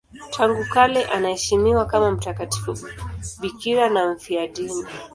Tangu kale anaheshimiwa kama mtakatifu bikira na mfiadini.